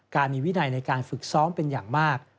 การมีวินัยในการฝึกซ้อมเป็นอย่างมาก